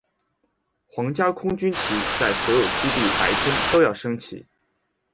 皇家空军旗在所有基地白天都要升起。